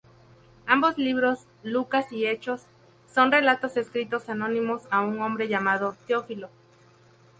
Ambos libros, Lucas y Hechos, son relatos escritos anónimos a un hombre llamado Teófilo.